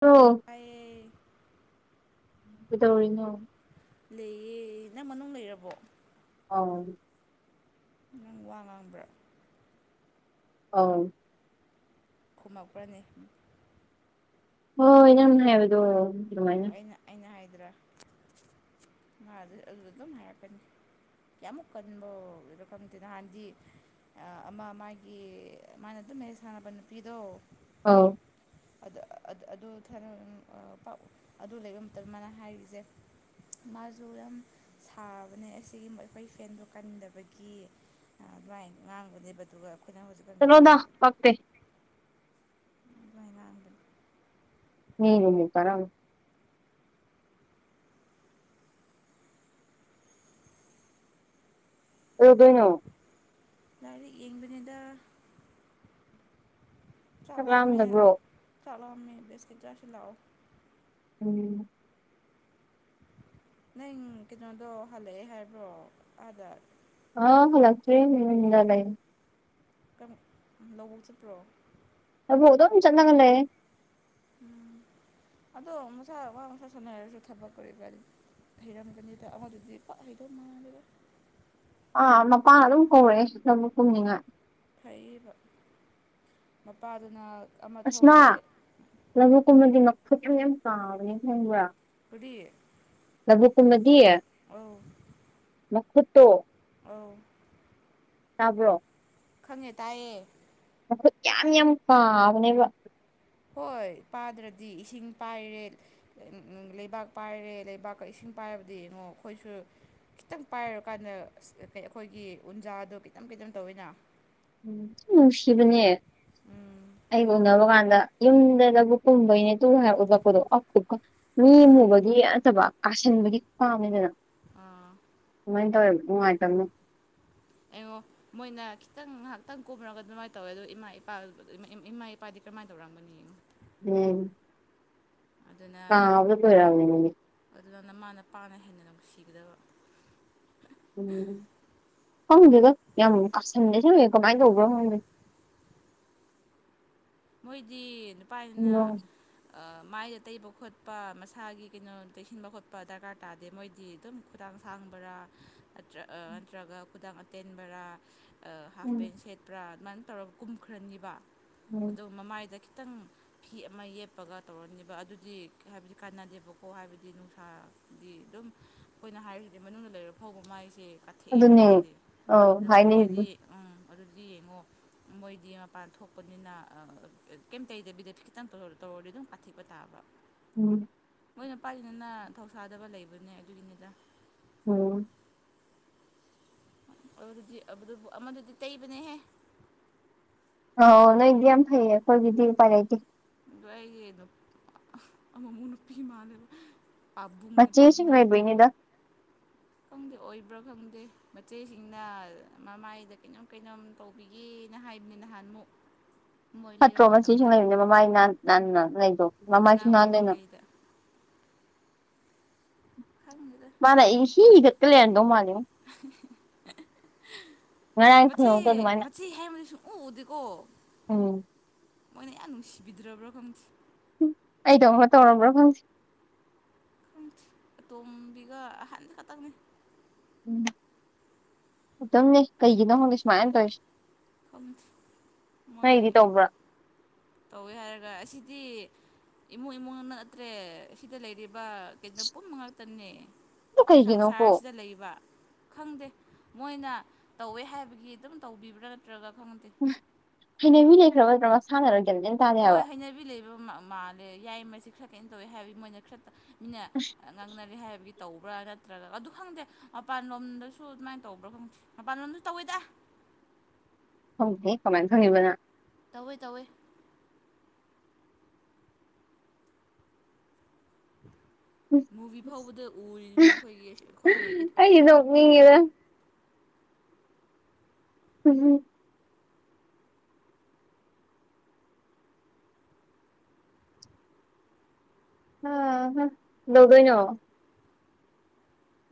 ꯑꯣ ꯑꯩ ꯗꯧꯔꯤꯅꯣ ꯂꯩꯌꯦ ꯅꯪ ꯃꯅꯨꯡ ꯂꯩꯔꯕꯣ ꯑꯥꯎ ꯅꯪ ꯋꯥ ꯉꯥꯡꯕ꯭ꯔꯥ ꯑꯥꯎ ꯈꯨꯝꯃꯛꯄ꯭ꯔꯅꯤ ꯍꯣꯏ ꯏꯩꯅꯅ ꯍꯥꯏꯕꯗꯣ ꯑꯗꯨꯃꯥꯏꯅ ꯑꯩꯅ ꯑꯩꯅ ꯍꯥꯏꯗ꯭ꯔꯥ ꯃꯥ ꯑꯗꯨꯗ ꯑꯗꯨꯝ ꯍꯥꯏꯔꯛꯀꯅꯤ ꯀꯌꯥꯃꯨꯛ ꯀꯟꯕꯗꯀꯝꯗꯦ ꯅꯍꯥꯟꯗꯤ ꯑꯃ ꯃꯥꯒꯤ ꯃꯥꯅ ꯑꯗꯨꯝ ꯃꯦꯔꯦꯖ ꯁꯥꯟꯅꯕ ꯅꯨꯄꯤꯗꯣ ꯑꯥꯎ ꯑ ꯑꯗꯨ ꯊꯅ ꯄꯥꯛ ꯑꯗꯨ ꯂꯩꯕ ꯃꯇꯝꯗ ꯃꯥꯅ ꯍꯥꯏꯔꯤꯁꯦ ꯃꯥꯁꯨ ꯌꯥꯝ ꯁꯥꯕꯅꯦ ꯑꯁꯤꯒꯤ ꯑꯩꯈꯣꯏ ꯐꯦꯟꯗꯣ ꯀꯟꯗꯕꯒꯤ ꯑꯗꯨꯃꯥꯏꯅ ꯉꯥꯡꯕꯅꯦꯕ ꯑꯗꯨꯒ ꯑꯩꯈꯣꯏꯅ ꯍꯧꯖꯤꯛ ꯆꯂꯣꯗꯥ ꯄꯥꯛꯇꯦ ꯗꯨꯃꯥꯏꯟ ꯉꯡꯕꯅꯦ ꯃꯤ [unintelligible] ꯀꯩꯗꯧꯗꯣꯏꯅꯣ ꯂꯥꯏꯔꯤꯛ ꯌꯦꯡꯕꯅꯤꯗ ꯆꯥꯛ ꯆꯥꯛꯂꯝꯃꯦ ꯂꯥꯝꯗꯕ꯭ꯔꯣ ꯆꯥꯛ ꯂꯝꯃꯦ ꯕꯤꯁꯀꯤꯠ ꯆꯥꯁꯤ ꯂꯛꯑꯣ ꯎꯝ ꯅꯪ ꯀꯩꯅꯣꯗꯣ ꯍꯜꯂꯛꯑꯦ ꯍꯥꯏꯕ꯭ꯔꯣ ꯑꯥꯗ ꯑ ꯍꯜꯂꯛꯇꯔꯤ [unintelligible] ꯂꯩ [unintelligible] ꯂꯧꯕꯧ ꯆꯠꯄ꯭ꯔꯣ ꯂꯥꯕꯨꯛ ꯑꯗꯨꯝ ꯆꯠꯅꯒ ꯂꯩꯌꯦ ꯎꯝ [inaudible] ꯑꯗꯣ ꯃꯁꯥ ꯋꯥ ꯃꯁꯥ ꯁꯥꯟꯅꯔꯁꯨ ꯊꯕꯛ ꯀꯔꯤꯀꯔ꯭ꯗꯤ ꯍꯩꯔꯝꯒꯅꯤꯗ ꯑꯃꯗꯨꯗꯤ ꯄꯛ ꯍꯩꯗꯧ ꯃꯥꯜꯂꯦꯔꯦ ꯑꯥ ꯃꯄꯥꯅ ꯑꯗꯨꯝ ꯀꯧꯔꯛꯑꯦ ꯂꯕꯨꯛ ꯀꯨꯝꯅꯤꯡꯉꯥꯏ ꯐꯩꯌꯦꯕ ꯃꯄꯥꯗꯨꯅ ꯑꯃ ꯑꯁ ꯃꯥ ꯊꯧꯔꯦ ꯂꯧꯕꯨꯛꯀꯨꯝꯕꯗꯤ ꯃꯈꯐꯨꯠ ꯌꯥꯝ ꯌꯥꯝ ꯇꯕꯅꯦ ꯈꯪꯕ꯭ꯔꯥ ꯀꯔꯤ ꯂ꯭ꯕꯨꯛꯀꯨꯃꯗꯤ ꯑꯧ ꯃꯈꯨꯠꯇꯣ ꯑꯧ ꯇꯥꯕ꯭ꯔꯣ ꯈꯪꯉꯦ ꯇꯥꯏꯌꯦ ꯃꯈꯨꯠ ꯌꯥꯝ ꯌꯥꯝ ꯄꯥꯕꯅꯦꯕ ꯍꯣꯏ ꯄꯥꯗ꯭ꯔꯗꯤ ꯏꯁꯤꯡ ꯄꯥꯏꯔꯦ ꯂꯩꯕꯥꯛ ꯄꯥꯏꯔꯦ ꯂꯩꯕꯥꯛꯀ ꯏꯁꯤꯡ ꯄꯥꯏꯕꯗꯤ ꯌꯦꯡꯉꯣ ꯑꯩꯈꯣꯏꯁꯨ ꯈꯤꯇꯪ ꯄꯥꯏꯔꯨꯔꯀꯥꯟꯗ ꯑꯁ ꯑꯩꯈꯣꯏꯒꯤ ꯎꯟꯖꯥꯗꯣ ꯈꯤꯇꯪ ꯈꯤꯇꯪ ꯇꯧꯋꯤꯅ ꯅꯨꯡꯁꯤꯕꯅꯦ ꯎꯝ ꯑꯩꯒ ꯎꯅꯕ ꯀꯥꯟꯗ ꯌꯨꯝꯗ ꯂ꯭ꯕꯨꯛ ꯀꯨꯝꯕꯩꯅꯦ [unintelligible] ꯃꯤ ꯈꯪꯉꯦ ꯃꯨꯕꯒꯤ ꯅꯠꯇꯕ ꯀꯥꯁꯤꯟꯕꯒꯤ ꯄꯥꯝꯃꯤꯗꯅ ꯑꯥ ꯗꯨꯃꯥꯏ ꯇꯧꯋꯦ ꯅꯨꯪꯉꯥꯏꯇꯝꯅ ꯑꯦꯉꯣ ꯃꯣꯏꯅ ꯈꯤꯇꯪ ꯉꯥꯏꯍꯥꯛꯇꯪ ꯀꯨꯝꯔꯒ ꯑꯗꯨꯃꯥꯏꯅ ꯇꯧꯋꯦ ꯑꯗꯣ ꯏꯃꯥ ꯏꯄꯥ ꯏꯃꯥ ꯏꯄꯥꯗꯤ ꯀꯔꯝꯃꯥꯏ ꯇꯧꯔꯝꯃꯥꯅꯤ ꯌꯦꯡꯉꯣ ꯎꯝ ꯑꯗꯨꯅ ꯀꯥꯕꯗ ꯂꯣꯏꯔꯕꯅꯤꯅꯦ ꯑꯗꯨꯅ ꯅꯃꯥ ꯅꯄꯥꯅ ꯍꯦꯟꯅ ꯅꯨꯡꯁꯤꯒꯗꯕ ꯎꯝ ꯍꯪꯗꯦꯗ ꯌꯥꯝ ꯀꯥꯁꯟ [unintelligible] ꯀꯃꯥꯏꯅ ꯇꯧꯕ꯭ꯔ ꯈꯪꯗꯦ ꯃꯣꯏꯗꯤ ꯅꯨꯄꯥꯅꯤꯅ ꯎꯝ ꯃꯥꯏꯗ ꯇꯩꯕ ꯈꯣꯠꯄ ꯃꯁꯥꯒꯤ ꯀꯩꯅꯣ ꯇꯩꯁꯤꯟꯕ ꯈꯣꯠꯄ ꯗꯔꯀꯥꯔ ꯇꯥꯗꯦ ꯃꯣꯏꯗꯤ ꯑꯗꯨꯝ ꯈꯨꯗꯥꯥꯡ ꯁꯥꯡꯕꯔꯥ ꯅꯥꯠꯇꯔꯥ ꯅꯠꯇ꯭ꯔꯒ ꯈꯨꯗꯥꯡ ꯑꯇꯦꯟꯕꯔꯥ ꯍꯥꯐ ꯄꯦꯟ ꯁꯦꯠꯄ꯭ꯔꯥ ꯑꯗꯨꯃꯥꯏꯟ ꯇꯧꯔꯒ ꯀꯨꯝꯈ꯭ꯔꯅꯤꯕ ꯎꯝ ꯑꯗꯨ ꯃꯃꯥꯏꯗ ꯈꯤꯇꯪ ꯐꯤ ꯑꯃ ꯌꯦꯞꯄꯒ ꯇꯧꯔꯅꯤꯕ ꯑꯗꯨꯗꯤ ꯍꯥꯏꯕꯗꯤ ꯀꯥꯟꯅꯗꯦꯕꯀꯣ ꯍꯥꯏꯕꯗꯤ ꯅꯨꯡꯁꯥ ꯑꯗꯨꯝ ꯑꯩꯈꯣꯏꯅ ꯍꯥꯏꯔꯤꯁꯤꯗꯤ ꯃꯅꯨꯡꯗ ꯂꯩꯔ ꯐꯥꯎꯕ ꯃꯥꯏꯁꯦ ꯀꯠꯊꯦꯛꯑꯦ ꯑꯗꯨꯅꯦ ꯍꯥꯏꯁꯤꯗꯤ ꯑꯧ ꯑꯝ ꯍꯥꯏꯅꯩꯗꯨ ꯃꯣꯏꯗꯤ ꯎꯝ ꯑꯗꯨꯗꯤ ꯌꯦꯡꯉꯣ ꯃꯣꯏꯗꯤ ꯃꯄꯥꯟ ꯊꯣꯛꯄꯅꯤꯅ ꯀꯩꯝꯇꯩꯗꯕꯤꯗ ꯈꯤꯇꯪ ꯇꯧꯔꯗꯤ ꯑꯗꯨꯝ ꯀꯥꯊꯦꯛꯄ ꯇꯥꯕ ꯎꯝ ꯃꯣꯏꯅ ꯄꯥꯏꯅꯤꯅ ꯊꯧꯁꯥꯗꯕ ꯂꯩꯕꯅꯦ ꯑꯗꯨꯒꯤꯅꯤꯗ ꯑꯣꯝ ꯑꯗꯨꯗꯤ ꯑꯗꯨꯕꯨ ꯑꯃꯗꯨꯗꯤ ꯇꯩꯕꯅꯦꯍꯦ ꯑ ꯅꯣꯏꯗꯤ ꯌꯥꯝ ꯐꯩꯌꯦ ꯑꯩꯈꯣꯏꯒꯤꯗꯤ ꯎꯄꯥꯢ ꯂꯩꯇꯦ ꯑꯗꯣ ꯑꯩꯗꯣ ꯑꯃꯨꯛ ꯃꯨꯛ ꯅꯨꯄꯤ ꯃꯥꯜꯂꯦꯕ ꯄꯥꯕꯨꯡꯅꯦ ꯃꯆꯦꯁꯤꯡ ꯄꯥꯕꯨꯡ [unintelligible] ꯈꯪꯗꯦ ꯑꯣꯏꯕ꯭ꯔꯥ ꯈꯪꯗꯦ ꯃꯆꯦꯁꯤꯡꯅ ꯃꯃꯥꯏꯗ ꯀꯩꯅꯣꯝ ꯀꯩꯅꯣꯝ ꯇꯧꯕꯤꯒꯦꯅ ꯍꯥꯏꯕꯅꯤ ꯅꯍꯥꯟꯃꯨꯛ ꯃꯣꯏ ꯂꯩꯕ ꯐꯠꯇ꯭ꯔꯣ ꯃꯆꯦꯁꯨ ꯃꯇꯝꯗ ꯂꯩꯕꯅꯦꯅ ꯃꯃꯥꯏ ꯅꯥꯟꯅ ꯂꯩꯗꯣ ꯃꯃꯥꯏꯁꯨ ꯑꯉꯥꯡ ꯅꯟꯅ ꯂꯩꯅ ꯑꯣꯏꯔꯤꯀꯩꯗ ꯈꯪꯗꯦꯗ ꯅꯪꯅ ꯏꯍꯤ ꯍꯤꯒꯠꯇꯅ ꯂꯩꯔꯝꯗꯧ ꯃꯥꯟꯂꯦꯉꯣ ꯉꯔꯥꯡ ꯃꯆꯦ ꯈꯨꯅꯣꯛꯇꯣ ꯑꯗꯨꯃꯥꯏꯅ ꯃꯆꯦ ꯌꯥꯏꯃꯗꯤ ꯁꯨꯡ ꯎ ꯎꯗꯦꯀꯣ ꯎꯝ ꯃꯣꯏꯅ ꯌꯥꯝ ꯅꯨꯡꯁꯤꯕꯤꯗ꯭ꯔꯕ꯭ꯔꯥ ꯈꯪꯗꯦ ꯑꯩꯗꯧ ꯇꯧꯔꯝꯕ꯭ꯔꯣ ꯈꯪꯗꯦ ꯑꯇꯣꯝꯕꯤꯒ ꯑꯍꯟ ꯈꯛꯇꯪꯅꯤ ꯎꯝ ꯑꯗꯨꯝꯅꯦ ꯀꯩꯒꯤꯅꯣ ꯈꯪꯗꯦ ꯁꯨꯃꯥꯏꯅ ꯇꯧꯔꯤꯁꯦ ꯈꯪꯗꯦ ꯃꯣꯏ ꯅꯣꯏꯒꯤꯗꯤ ꯇꯧꯕ꯭ꯔꯥ ꯇꯧꯋꯦ ꯍꯥꯏꯔꯒ ꯑꯁꯤꯗꯤ ꯏꯃꯨꯡ ꯏꯃꯨꯡ ꯅꯠꯇ꯭ꯔꯦ ꯑꯁꯤꯗ ꯂꯩꯔꯤꯕ ꯀꯩꯅꯣ ꯄꯨꯝ ꯃꯉꯥꯛꯇꯅꯦ ꯑꯗꯨ ꯀꯩꯒꯤꯅꯣꯀꯣ ꯁꯪꯁꯥꯔꯁꯤꯗ ꯂꯩꯕ ꯈꯪꯗꯦ ꯃꯣꯏꯅ ꯇꯧꯋꯦ ꯍꯥꯏꯕꯒꯤ ꯑꯗꯨꯝ ꯇꯧꯕꯤꯕ꯭ꯔꯥ ꯅꯠꯇ꯭ꯔꯒ ꯈꯪꯗꯦ ꯍꯩꯅꯕꯤ ꯂꯩꯈ꯭ꯔꯕ ꯅꯠꯇ꯭ꯔꯃ ꯁꯥꯟꯅꯔꯒꯅꯦ ꯍꯣꯏ ꯍꯩꯅꯕꯤ ꯂꯩꯕ ꯃꯥꯜꯂꯦ ꯌꯥꯏ ꯃꯁꯤ ꯈꯔ ꯀꯩꯅꯣ ꯇꯧꯋꯤ ꯍꯥꯏꯕꯗꯤ ꯃꯣꯏꯅ ꯈꯔ ꯃꯤꯅ ꯉꯥꯡꯅꯔꯦ ꯍꯥꯏꯕꯒꯤ ꯇꯧꯕ꯭ꯔꯥ ꯅꯠꯇ꯭ꯔꯒ ꯑꯗꯨ ꯈꯪꯗꯦ ꯃꯄꯥꯟ ꯂꯣꯝꯗꯁꯨ ꯑꯗꯨꯃꯥꯏꯅ ꯇꯧꯕ꯭ꯔꯥ ꯈꯪꯗꯦ ꯃꯄꯥꯟ ꯂꯣꯝꯗꯁꯨ ꯇꯧꯋꯦꯗ ꯈꯪꯗꯦ ꯀꯃꯥꯏ ꯈꯪꯉꯤꯕ ꯅꯪ ꯇꯧꯋꯦ ꯇꯧꯋꯦ ꯃꯨꯚꯤ ꯐꯥꯎꯕꯗ ꯎꯔꯤꯅꯤ ꯑꯩꯈꯣꯏꯒꯤ ꯑꯩꯈꯣꯏꯒꯤ [unintelligible] ꯎꯝ ꯑꯍꯥ ꯀꯩꯗꯧꯗꯣꯢꯅꯣ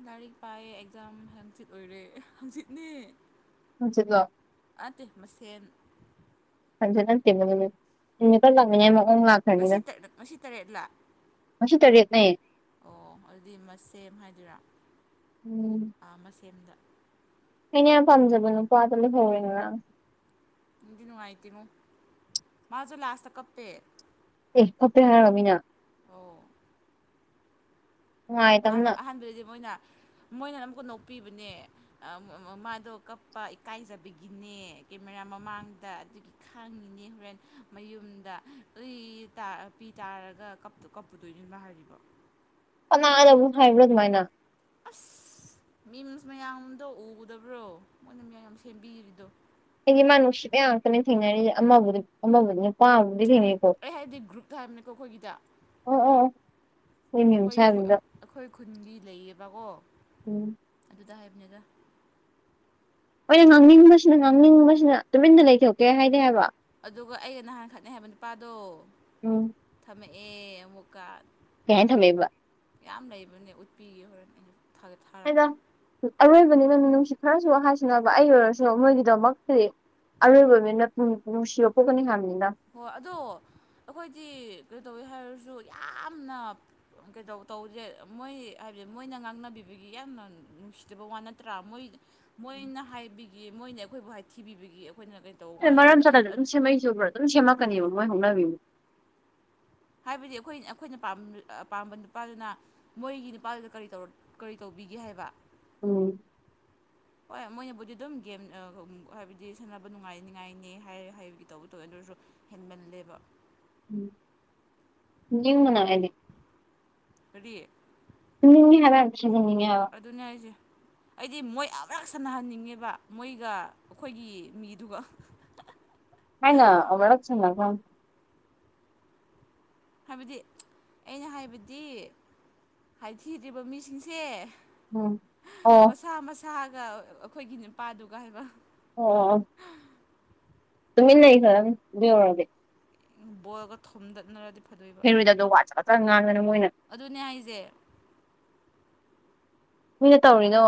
ꯂꯥꯏꯔꯤꯛ ꯄꯥꯏꯌꯦ ꯑꯦꯛꯖꯥꯝ ꯍꯥꯡꯆꯤꯠ ꯑꯣꯏꯔꯦ ꯍꯥꯡꯆꯤꯠꯅꯦ ꯍꯥꯡꯆꯤꯠ ꯂꯣ ꯑꯇꯩ ꯃꯁꯦꯟ [unintelligible] ꯉꯁꯤ ꯉꯁꯤ ꯇꯔꯦꯠꯂꯥ [unintelligible] ꯑꯣ ꯑꯗꯨꯗꯤ ꯃ ꯁꯦꯝ ꯍꯥꯏꯗꯨꯏꯔꯥ ꯎꯝ ꯥ ꯑ ꯃꯁꯦꯝꯗ ꯑꯩꯅ ꯌꯥꯝ ꯄꯥꯝꯖꯕ ꯅꯨꯄꯥꯗꯣ ꯂꯩꯍꯧꯔꯦ ꯅꯨꯡꯗꯤ ꯅꯨꯡꯉꯥꯢꯇꯦ ꯉꯣ ꯃꯁꯨ ꯂꯥꯁꯇꯥ ꯀꯞꯄꯦ ꯑꯦ ꯐꯐꯦ ꯍꯥꯏꯔꯒ ꯃꯤꯅ ꯑꯧ ꯑꯍꯥꯟꯕ ꯅꯨꯡꯉꯥꯏꯇꯕꯅ ꯑꯍꯥꯟꯕꯗꯗꯤ ꯃꯣꯏꯅ ꯃꯣꯏꯅ ꯑꯃꯨꯛꯀ ꯅꯣꯛꯄꯤꯕꯅꯦ ꯃꯥꯗꯣ ꯀꯞꯄ ꯏꯀꯥꯏꯖꯕꯒꯤꯅꯦ ꯀꯦꯃꯦꯔꯥ ꯃꯃꯥꯡꯗ ꯑꯗꯨꯒꯤ ꯈꯥꯡꯉꯤꯅꯦ ꯍꯣꯔꯦꯟ ꯃꯌꯨꯝꯗ ꯎꯢ ꯄꯤ ꯇꯥꯔꯒ ꯀꯞ ꯑꯗꯣ ꯀꯝꯄꯨꯗꯣꯏꯅꯤ ꯃꯥ ꯍꯥꯏꯔꯤꯕ ꯄꯂꯥꯑꯅ ꯑꯃꯨꯛ ꯍꯥꯏꯕ꯭ꯔꯥ ꯑꯗꯨꯃꯥꯏꯅ ꯑꯁ ꯃꯤꯝꯁ ꯃꯌꯥꯝꯗꯣ ꯎꯒꯗꯕ꯭ꯔꯣ ꯃꯣꯏꯅ ꯃꯌꯥꯝ ꯌꯥꯝ ꯁꯦꯝꯕꯤꯔꯤꯗꯣ ꯑꯩꯒꯤ ꯃꯥ ꯅꯨꯡꯁꯤꯠ ꯉꯥꯛꯇꯅꯦ ꯊꯦꯡꯅꯔꯤꯁ ꯑꯃꯕꯨꯗꯤꯕꯨꯗꯤ ꯅꯨꯄꯥꯕꯨꯗꯤ ꯊꯦꯡꯅꯩ꯫ ꯑꯩꯅ ꯍꯥꯏꯗꯤ ꯒ꯭ꯔꯨꯞꯇ ꯍꯥꯏꯕꯅꯦꯀꯣ ꯑꯩꯈꯣꯏꯒꯤꯗ ꯑꯣ ꯑꯣ ꯃꯣꯏ ꯃꯤꯝ ꯑꯩꯈꯣꯏ ꯁꯥꯕꯗ ꯑꯩꯈꯣꯏ ꯈꯨꯟꯒꯤ ꯂꯩꯌꯦꯕꯀꯣ ꯎꯝ ꯑꯗꯨꯗ ꯍꯥꯏꯕꯅꯤꯗ ꯑꯣꯏꯅ ꯉꯥꯡꯅꯤꯡꯕꯁꯤꯅ ꯉꯥꯡꯅꯤꯡꯕꯁꯤꯅ ꯇꯨꯃꯤꯟꯟꯅ ꯂꯩꯊꯣꯛꯀꯦ ꯍꯥꯏꯗꯤ ꯍꯥꯏꯕ ꯑꯗꯨꯒ ꯑꯩꯒ ꯅꯍꯥꯟ ꯈꯠꯅꯩ ꯍꯥꯏꯕ ꯅꯨꯄꯥꯗꯣ ꯎꯝ ꯀꯨꯃꯛꯑꯥ ꯑꯃꯨꯛꯀꯥ ꯀꯩꯥꯍꯏꯅ ꯊꯝꯃꯦꯕ ꯌꯥꯝ ꯂꯩꯕꯅꯦ ꯎꯠꯄꯤꯒ ꯍꯣꯔꯦꯟ ꯑꯩꯅ ꯊꯥꯒ ꯑꯩꯅ ꯊꯥꯔꯛꯀꯦ꯫ ꯑꯔꯣꯏꯕꯅꯤꯅ ꯃꯤꯅꯨꯡꯁꯤꯠ ꯈꯔꯁꯨ ꯍꯥꯏꯁꯤꯅꯕ ꯑꯩ ꯑꯣꯏꯔꯁꯨ ꯃꯣꯏꯒꯤꯗꯃꯛꯇꯗꯤ ꯑꯔꯣꯏꯕ ꯃꯤꯅ ꯅꯨꯡꯁꯤꯕ ꯄꯣꯛꯀꯅꯤ ꯍꯥꯏꯕꯅꯤꯗ ꯍꯣꯏ ꯑꯗꯣ ꯑꯩꯈꯣꯏꯗꯤ ꯀꯩ ꯇꯧꯋꯤ ꯍꯥꯏꯔꯁꯨ ꯌꯥꯝꯅ ꯀꯩꯗꯧ ꯇꯧꯁꯦ ꯃꯣꯏ ꯍꯥꯏꯕꯗꯤ ꯃꯣꯏꯅ ꯉꯥꯡꯅꯕꯤꯕꯒꯤ ꯌꯥꯝꯅ ꯅꯨꯡꯁꯤꯗꯕ ꯋꯥ ꯅꯠꯇ꯭ꯔꯥ ꯃꯣꯏ ꯃꯣꯏꯅ ꯍꯥꯏꯕꯒꯤ ꯃꯣꯏꯅ ꯑꯩꯈꯣꯏꯕꯨ ꯍꯥꯏ ꯊꯤꯕꯤꯕꯒꯤ ꯑꯩꯈꯣꯏꯅ ꯇꯧꯕ ꯑꯦ ꯋꯥꯅꯤ ꯃꯔꯝ ꯑꯗꯨ ꯆꯥꯗꯅ ꯑꯗꯨꯝ ꯁꯦꯝꯃꯩ ꯆꯨꯕ꯭ꯔꯥ ꯑꯗꯨꯝ ꯑꯗꯨꯅꯦ ꯁꯦꯝꯃꯛꯀꯅꯦꯕ ꯃꯣꯏ ꯍꯧꯅꯕꯤꯅꯦ ꯫ ꯍꯥꯏꯕꯗꯤ ꯑꯩꯈꯣꯏ ꯑꯩꯈꯣꯏꯅ ꯄꯥꯝꯕ ꯅꯨꯄꯥꯗꯨꯅ ꯃꯣꯏꯒꯤ ꯅꯨꯄꯥꯗꯨꯗ ꯀꯔꯤ ꯀꯔꯤ ꯇꯧꯕꯤꯒꯦ ꯍꯥꯏꯕ ꯎꯝ ꯍꯣꯏ ꯃꯣꯏꯅꯕꯨꯗꯤ ꯑꯗꯨꯝ ꯒꯦꯝ ꯍꯥꯏꯕꯗꯤ ꯁꯥꯟꯅꯕ ꯅꯨꯡꯉꯥꯏ ꯉꯥꯏꯅꯤ ꯍꯥꯏꯔ ꯍꯥꯏꯕꯗꯤ ꯇꯧꯕ ꯇꯧꯋꯦ ꯑꯗꯨ ꯑꯣꯏꯔꯁꯨ ꯍꯦꯟꯃꯜꯂꯦꯕ ꯐꯨꯅꯤꯡꯕꯅ ꯑꯩꯗꯤ ꯀꯔꯤ [unintelligible] ꯑꯗꯨꯅꯦ ꯑꯩꯁꯦ꯫ ꯑꯩꯗꯤ ꯃꯣꯏ ꯑꯃꯨꯔꯛ ꯁꯥꯟꯅꯍꯟꯅꯤꯡꯉꯦꯕ ꯃꯣꯏꯒ ꯑꯩꯈꯣꯏꯒꯤ ꯃꯤꯗꯨꯒ ꯑꯩꯅꯥ ꯑꯃꯨꯔꯛ ꯁꯅꯈꯔ꯭ꯃꯤ꯫ ꯍꯥꯏꯕꯗꯤ ꯑꯩꯅ ꯍꯥꯏꯕꯗꯤ ꯍꯥꯏꯊꯤꯗ꯭ꯔꯤꯕ ꯃꯤꯁꯤꯡꯁꯦ꯫ ꯎꯝ ꯑꯣ ꯃꯁꯥ ꯃꯁꯥꯒ ꯑꯩꯈꯣꯏꯒꯤ ꯅꯨꯄꯥꯗꯨꯒ ꯍꯥꯏꯕ ꯑꯣ ꯇꯃꯤꯂꯩ ꯈꯔ ꯌꯥꯎꯔꯗꯦ꯫ ꯕꯣꯔꯂꯒ ꯊꯣꯝꯗꯠꯅꯔꯗꯤ ꯐꯗꯣꯏꯕ ꯍꯩꯔꯣꯢꯗꯕꯗ ꯋꯥ ꯆꯒꯠ ꯆꯒꯠ ꯉꯥꯡꯗꯅ ꯃꯣꯏꯅ ꯑꯗꯨꯅꯦ ꯍꯥꯏꯁꯦ꯫ ꯀꯨꯏꯅ ꯇꯧꯔꯤꯅꯣ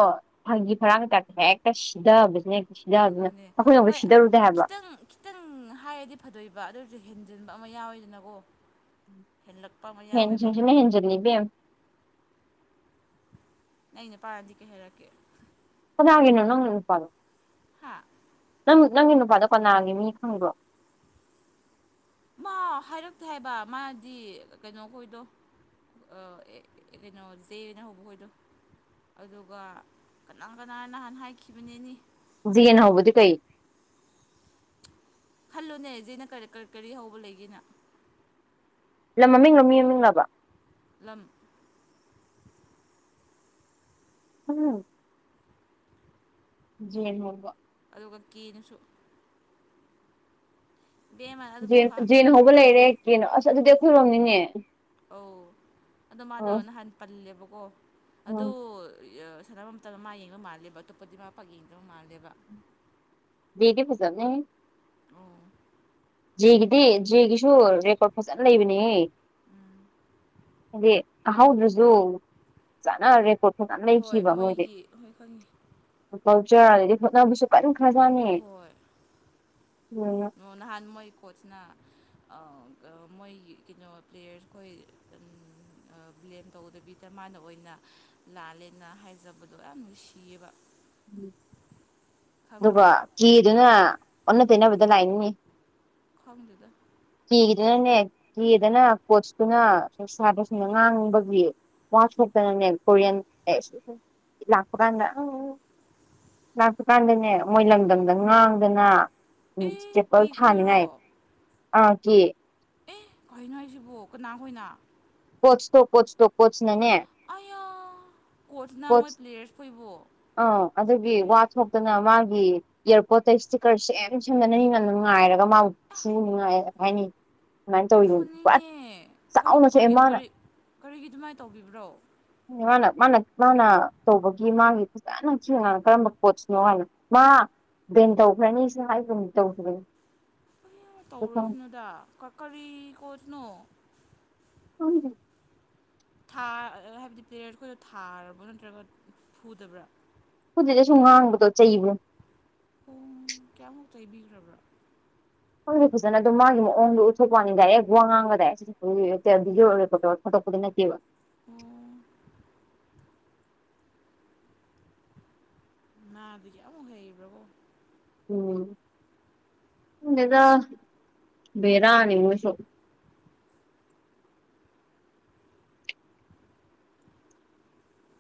ꯐꯪꯒꯤ ꯐꯔꯥꯡ ꯂꯩꯀꯥꯏ ꯍꯦꯛꯇ ꯁꯤꯊꯕꯁꯤꯕꯁꯤꯅ ꯍ ꯌꯥꯗꯔꯦ ꯑꯗꯨꯅꯦ ꯑꯩꯈꯣꯏꯅ ꯐꯥꯑꯣ ꯍꯣꯏ ꯁꯤꯗꯔꯨꯗꯦ ꯍꯥꯏꯕ ꯈꯤꯇꯪ ꯈꯤꯇꯪ ꯍꯥꯏꯔꯗꯤ ꯐꯗꯣꯏꯕ ꯑꯗꯨ ꯑꯣꯏꯔꯁꯨ ꯍꯦꯟꯖꯤꯟꯕ ꯑꯃ ꯌꯥꯎꯋꯦꯗꯅꯀꯣ ꯍꯦꯜꯂꯛꯄ ꯑꯃ ꯌꯥꯎꯋꯦꯕ ꯍꯦꯟꯁꯤꯡꯁꯤꯅ ꯍꯦꯟꯖꯤꯜꯂꯤ ꯏꯕꯦꯝ ꯑꯩ ꯄꯥꯔꯗꯤ ꯀꯩ ꯍꯥꯏꯔꯛꯀꯦ꯫ ꯀꯅꯥꯒꯤꯅꯣ ꯅꯪ ꯅꯨꯄꯥꯗꯣ ꯍꯥ ꯅꯪ ꯅꯪꯒꯤ ꯅꯨꯄꯥꯗꯣ ꯀꯅꯥꯒꯤ ꯃꯤ ꯈꯪꯕ꯭ꯔꯣ ꯃꯥ ꯍꯥꯏꯔꯛꯇꯦ ꯍꯥꯏꯕ ꯃꯥꯗꯤ ꯀꯩꯅꯣꯈꯣꯏꯗꯣ ꯑ ꯑꯦ ꯀꯩꯅꯣ ꯖꯦꯅ ꯍꯧꯕ ꯍꯣꯏꯗꯣ ꯑꯗꯨꯒ ꯀꯅꯥ ꯀꯅꯥ ꯅꯍꯥꯟ ꯍꯥꯏꯈꯤꯕꯅꯤꯅꯤ꯫ ꯖꯦꯅ ꯍꯧꯕꯕꯗꯤ ꯀꯩ ꯈꯜꯂꯣꯅꯦ ꯖꯦꯅ ꯀꯔꯤ ꯀꯔꯤ ꯍꯧꯕ ꯂꯩꯒꯦꯅ ꯂꯝ ꯃꯃꯤꯡꯂ ꯃꯤ ꯃꯃꯤꯡꯂꯕ ꯂꯝ [inaudible] ꯖ‌ꯦ ꯅ ꯍꯧꯕ ꯑꯗꯨꯒ ꯀꯦꯅꯁꯨ ꯕꯦꯝꯃ ꯑꯗꯨꯐꯥꯎ ꯖꯦ ꯅ ꯍꯧꯕ ꯈꯪꯗ꯭ꯔꯗꯤ ꯂꯩꯔꯦ ꯀ‌ꯦ ꯅ ꯑꯁ ꯑꯗꯨꯗꯤ ꯑꯩꯈꯣꯏꯔꯣꯝꯅꯤꯅꯦ ꯑꯧ ꯑꯗꯣ ꯃꯥꯗꯣ ꯎꯝ ꯅꯍꯥꯟ ꯄꯜꯂꯦꯕꯀꯣ ꯎꯝ ꯑꯗꯨ ꯁꯥꯟꯅ ꯇꯠꯇꯅ ꯃꯥ ꯌꯦꯡꯕ ꯃꯥꯜꯂꯦꯕ ꯑꯇꯣꯞꯄꯗꯤ ꯃꯥ ꯄꯥꯛ ꯌꯦꯡꯗꯕ ꯃꯥꯜꯂꯦꯕ ꯗꯤ ꯐꯖꯕꯅꯦꯍ‌ꯦ ꯑ‌ꯣ ꯖꯦꯒꯤꯗꯤ ꯖꯦꯒꯤꯁꯨ ꯔꯦꯀꯣꯔꯠ ꯐꯖꯅ ꯂꯩꯕꯅꯦꯍ‌ꯦ ꯎꯝ ꯍꯥꯏꯗꯤ ꯇꯥꯍꯧꯗ꯭ꯔꯁꯨ ꯆꯠꯅꯔꯦꯀꯣ ꯍꯣꯏ ꯃꯣꯏꯒꯤ ꯍ‌ꯣꯏ ꯈꯪꯉ‌ꯦ [unintelligible] ꯑꯗꯒꯤ ꯍꯣꯠꯅꯕꯁꯨ ꯀꯟꯈꯔ ꯖꯥꯠꯅ‌ꯦ ꯑꯗꯨꯗꯨꯅ ꯑꯣ ꯅꯍꯥꯟꯅ ꯃꯣꯏ ꯀꯣꯠꯆꯅ ꯑꯥ ꯃꯣꯏ ꯀꯩꯅꯣ ꯄ꯭ꯂꯦꯌꯔ ꯈꯣꯏ ꯎꯝ ꯑꯥ ꯕ꯭ꯂꯦꯝ ꯇꯧꯗꯕꯤꯗ ꯃꯥꯅ ꯑꯣꯏꯅ ꯂꯥꯜꯂꯦꯅ ꯍꯥꯏꯖꯕꯗꯣ ꯌꯥꯝ ꯅꯨꯡꯁꯤꯌꯦꯕ ꯑꯗꯨꯒ ꯀꯤꯗꯅ ꯑꯣꯟꯅ ꯇꯩꯅꯕꯗ ꯂꯥꯛꯏꯅꯤꯅ‌ꯦ ꯈꯪꯗ‌ꯦꯗ ꯀꯤꯒꯤꯗꯅꯅꯦ ꯀꯤꯗꯅ ꯀ‌ꯣꯠꯁꯇꯨꯅ ꯁꯥꯇꯔꯁꯤꯡꯅ ꯉꯥꯡꯕꯒꯤ ꯋꯥꯊꯣꯛꯇꯅꯅꯦ ꯀꯣꯔꯤꯌꯥꯟ ꯂꯥꯛꯄ ꯀꯥꯟꯗ ꯎꯝ ꯂꯥꯛꯄ ꯀꯥꯟꯗꯅꯦ ꯃꯣꯏ ꯂꯝꯗꯝꯗ ꯉꯥꯡꯗꯅ ꯎꯝ ꯆꯥꯄꯜ ꯊꯥꯅꯤꯡꯉꯥꯏ ꯑ ꯀꯤ ꯑꯦ ꯀꯩꯅꯣ ꯍꯥꯏꯁꯤꯕꯣ ꯀꯅꯥꯈꯣꯢꯅ ꯀ‌ꯣꯠꯁꯇ‌ꯣ ꯀ‌ꯣꯠꯁꯇ‌ꯣ ꯑꯩꯌꯥ ꯀꯣꯠꯁꯅ ꯃꯣꯏ ꯄ꯭ꯂꯦꯌꯔꯁ ꯈ‌ꯣꯏꯕꯨ ꯑ ꯑꯗꯨꯒꯤ ꯋꯥ ꯊꯣꯛꯇꯅ ꯃꯥꯒꯤ ꯏꯌꯥꯔꯄꯣꯔꯠꯇ ꯏꯁꯇꯤꯀꯔ ꯁꯦꯝ ꯁꯦꯝꯗꯅ ꯃꯤꯅ ꯉꯥꯏꯔꯒ ꯃꯥꯕꯨ ꯐꯨꯅꯤꯉꯥꯏ ꯍꯥꯏꯅꯩ ꯐꯨꯅꯤꯡꯉꯦ ꯆꯥꯎꯅ ꯀꯔꯤꯅꯣ ꯁꯣꯛꯑꯦ ꯃꯥꯅ ꯀꯔꯤ ꯀꯔꯤꯒꯤ ꯑꯗꯨꯃꯥꯏꯅ ꯇꯧꯕꯤꯕ꯭ꯔꯣ ꯃꯥꯅ ꯃꯥꯅ ꯃꯥꯅ ꯇꯧꯕꯒꯤ ꯃꯥꯒꯤ ꯐꯖꯅ ꯊꯤꯅ ꯉꯥꯡꯉ‌ꯦ ꯀꯔꯝꯕ ꯀ‌ꯣꯠꯁꯅꯣ ꯍꯥꯏꯅ ꯃꯥ ꯕꯦꯟꯗ ꯇꯧꯈ꯭ꯔꯅꯤꯁꯨ ꯍꯥꯏꯒꯨꯝ ꯇꯧꯈꯤꯕꯅꯤ ꯀꯩꯅ‌ꯣ ꯈꯪꯗꯦ ꯇꯧꯔꯨꯁꯤꯅꯣꯗ ꯀꯔꯤ ꯀꯣꯠꯁꯅꯣ [unintelligible] ꯥ ꯊꯥ ꯍꯥꯏꯕꯗꯤ ꯄ‌ꯂ‌ꯦꯌꯔ ꯑꯩꯈꯣꯏꯗꯣ ꯊꯥꯔꯕ꯭ꯔꯣ ꯅꯠꯇ꯭ꯔꯒ ꯐꯨꯗꯕ꯭ꯔꯥ ꯐꯨꯗ‌ꯦꯗ ꯁꯨꯝ ꯉꯥꯡꯕꯗꯣ ꯆꯩꯕꯗ‌ꯣ ꯑꯣ ꯀꯌꯥꯃꯨꯛ ꯆꯩꯕꯤꯈ꯭ꯔꯕ꯭ꯔꯥ ꯈꯪꯗꯦ ꯐꯖꯅ ꯑꯗꯨꯝ ꯃꯥꯒꯤ ꯃꯑꯣꯡꯗꯣ ꯎꯊꯣꯛꯄꯩ ꯋꯥꯅꯤ ꯗꯥꯏꯔꯦꯛ ꯋꯥ ꯉꯥꯡꯕ ꯗꯥꯏꯔꯦꯛ [unintelligible] ꯑꯣ ꯃꯥꯗꯒꯤ ꯑꯃꯨꯛ ꯍꯩꯕ꯭ꯔꯕꯣ ꯎꯝ ꯈꯪꯗꯦꯗ ꯕꯦꯔꯥꯅꯤ ꯃꯣꯢꯁꯨ [inaudible]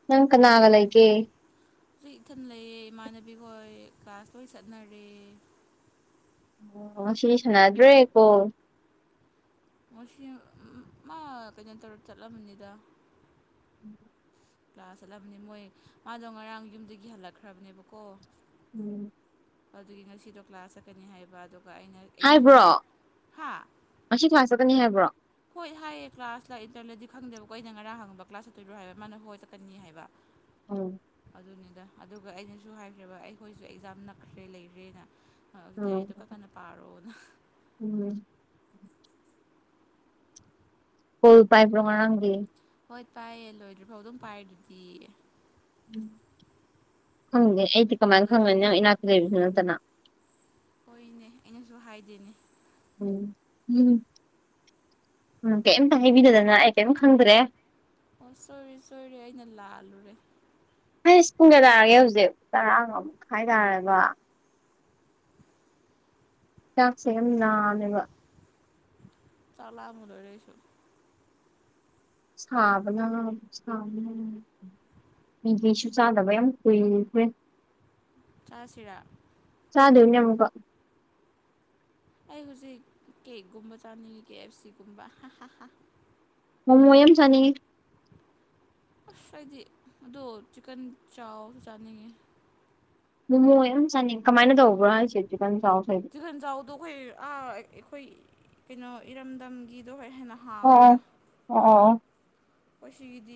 ꯅꯪ ꯀꯅꯥꯒ ꯂꯩꯒꯦ ꯑꯩ ꯏꯊꯟ ꯂꯩꯌꯦ ꯏꯃꯥꯟꯅꯕꯤ ꯍꯣꯏ ꯀ꯭ꯂꯥꯁ ꯂꯣꯏ ꯆꯠꯅꯔꯦ ꯑꯣ ꯉꯁꯤꯗꯤ ꯁꯥꯟꯅꯥꯗ꯭ꯔꯦ ꯀꯣꯜ ꯉꯁꯤ ꯃꯥ ꯀꯩꯅꯣ ꯇꯧꯔ ꯆꯠꯂꯝꯃꯅꯤꯗ [inaudible] ꯀ꯭ꯂꯥꯁ ꯆꯠꯂꯝꯅꯤ ꯃꯣꯏ ꯃꯥꯗꯣ ꯉꯔꯥꯡ ꯌꯨꯝꯗꯒꯤ ꯍꯜꯂꯛꯈ꯭ꯔꯕꯅꯦꯕꯀꯣ ꯎꯝ ꯑꯗꯨꯒꯤ ꯉꯁꯤꯗꯣ ꯀ꯭ꯂꯥꯁ ꯆꯠꯀꯅꯤ ꯍꯥꯏꯕ ꯑꯗꯨꯒ ꯑꯩꯅ ꯑꯩꯅꯁꯨ ꯃꯉꯣꯟ ꯍꯥꯏꯕ꯭ꯔꯣ ꯍꯥ ꯉꯁꯤ ꯀ꯭ꯂꯥꯁ ꯆꯠꯀꯅꯤ ꯍꯥꯏꯕ꯭ꯔꯣ ꯍꯣꯏ ꯍꯥꯏꯌꯦ ꯀ꯭ꯂꯥꯁꯇ ꯏꯟꯇꯔꯂꯗꯤ ꯈꯪꯗꯕꯀꯣ ꯑꯩꯅ ꯉꯔꯥꯡ ꯍꯪꯕ ꯀ꯭ꯂꯥꯁ ꯆꯠꯇꯣꯏꯔꯣ ꯍꯥꯏꯕ ꯃꯥꯅ ꯍꯣꯏ ꯆꯠꯀꯅꯤ ꯍꯥꯏꯕ ꯎꯝ ꯑꯗꯨꯅꯤꯗ ꯑꯗꯨꯒ ꯑꯩꯅꯁꯨ ꯍꯥꯏꯈ꯭ꯔꯕ ꯑꯩꯈꯣꯏꯁꯨ ꯑꯦꯛꯖꯥꯝ ꯅꯛꯈ꯭ꯔꯦ ꯂꯩꯈ꯭ꯔꯦꯅ ꯎꯝ ꯂꯥꯏꯔꯤꯛꯇꯣ ꯈꯔꯀꯟꯅꯥ ꯄꯥꯔꯣꯅ ꯎꯝ ꯀꯣꯜ ꯄꯥꯏꯕ꯭ꯔꯣ ꯉꯔꯥꯡꯗꯤ ꯍꯣꯏ ꯄꯥꯏꯌꯦ ꯂꯣꯏꯗ꯭ꯔꯤꯐꯥꯎ ꯑꯗꯨꯝ ꯄꯥꯏ ꯑꯗꯨꯗꯤ ꯈꯪꯗꯦ ꯑꯩꯗꯤ ꯀꯃꯥꯏꯅ ꯈꯪꯉꯅꯤ ꯅꯪ ꯏꯅꯥꯛꯇ ꯂꯩꯕꯁꯨ ꯅꯠꯇꯅ ꯍꯣꯏꯅꯦ ꯑꯩꯅꯁꯨ ꯍꯥꯏꯗꯦꯅꯦ ꯎꯝ ꯎꯝ ꯀꯩꯝꯇ ꯍꯥꯏꯕꯤꯗꯗꯅ ꯑꯩ ꯀꯔꯤꯝ ꯈꯪꯗ꯭ꯔꯦ ꯑꯣ ꯁꯣꯏꯔꯤ ꯁꯣꯏꯔꯤ ꯑꯩꯅ ꯂꯥꯜꯂꯨꯔꯦ ꯑꯩꯁ ꯄꯨꯡ ꯀꯌꯥ ꯇꯔꯒꯦ ꯍꯧꯖꯤꯛ ꯇꯔꯥ ꯑꯃꯨꯛ ꯃꯈꯥꯏ ꯇꯥꯔꯕ ꯆꯥꯛꯁꯦ ꯌꯥꯝ ꯂꯥꯃꯦꯕ ꯆꯥꯛ ꯂꯝꯕꯅ ꯂꯣꯏꯔꯦ ꯑꯩꯁꯨ ꯁꯥꯕꯅꯥ ꯁꯕꯅ ꯀꯔꯤꯁꯨ ꯆꯥꯗꯕ ꯌꯥꯝ ꯀꯨꯏꯈ꯭ꯔꯦ ꯆꯥꯁꯤꯔꯥ ꯆꯥꯗꯣꯢꯅꯤ ꯑꯃꯨꯒ ꯑꯩ ꯍꯧꯖꯤꯛ ꯀꯦꯛꯒꯨꯝꯕ ꯆꯥꯅꯤꯡꯉꯤ ꯀꯦ ꯑꯦꯐ ꯁꯤꯒꯨꯝꯕ ꯍꯥ ꯍꯥ ꯍꯥ ꯃꯣꯃꯣ ꯌꯥꯝ ꯆꯥꯅꯤꯉꯤ ꯑꯁ ꯑꯩꯗꯤ ꯑꯗꯣ ꯆꯤꯛꯀꯟ ꯆꯥꯎꯁꯨ ꯆꯥꯅꯤꯡꯉꯤ ꯃꯣꯃꯣ ꯌꯥꯝ ꯆꯥꯅꯤꯡ ꯀꯃꯥꯏꯅ ꯇꯧꯕ꯭ꯔꯥ ꯍꯥꯏꯁꯦ ꯆꯤꯛꯀꯟ ꯆꯥꯎꯁꯤ ꯆꯤꯀꯟꯖꯥꯎꯗꯣ ꯑꯩꯈꯣꯏ ꯑꯩꯈꯣꯏ ꯀꯩꯅꯣ ꯏꯔꯝꯗꯝꯒꯤꯗꯣ ꯍꯣꯏ ꯍꯥꯏꯅ ꯑꯣ ꯑꯣ ꯑꯣ ꯑꯣ ꯑꯣ ꯉꯁꯤꯒꯤꯗꯤ